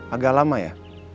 agak lama ya